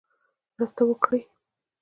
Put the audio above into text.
مرسته وکړي.